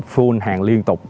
full hàng liên tục